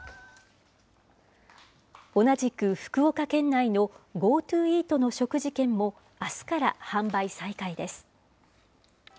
同じく福岡県内のＧｏＴｏイートの食事券も、あすから販売再開です。